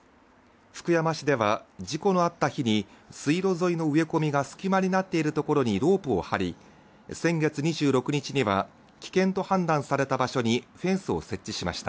福山市では事故のあった日に水路沿いの植え込みが隙間になっているところにロープを張り先月２６日には、危険と判断された場所にフェンスを設置しました。